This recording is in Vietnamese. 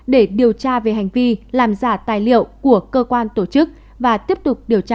để điều tra về hành vi làm giả tài liệu của cơ quan tổ chức và tiếp tục điều tra